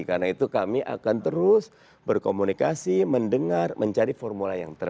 karena itu kami akan terus berkomunikasi mendengar mencari formula yang terbaik